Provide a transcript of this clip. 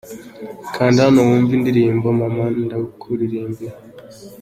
Kanda hano wumve indirimbo mama Ndakuririmbira.